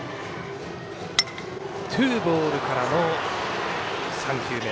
ツーボールからの３球目。